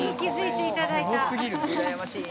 うらやましい。